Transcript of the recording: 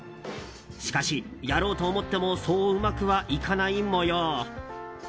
しかし、やろうと思ってもそううまくはいかない模様。